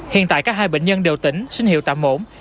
hiện tại cả hai bệnh nhân đều tỉnh sinh hiệu tạm ổn